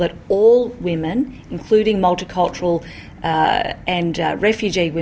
termasuk perempuan multi kultur dan refugee